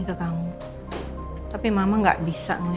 assalamualaikum brothers dan ricin